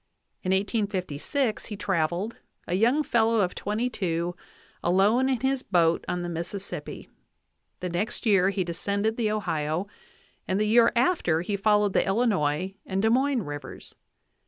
In 1856 he traveled, a young fellow of twenty two, alone in his boat on the Mississippi ; the next year he descended the Ohio, and the year after he followed the Illinois and Des Moines Rivers.